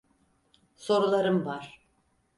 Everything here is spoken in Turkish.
Sorularım var.